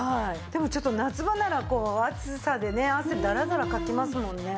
でもちょっと夏場ならこう暑さでね汗ダラダラかきますもんね。